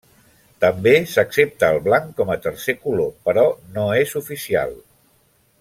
També s'accepta el blanc com a tercer color, però no és oficial.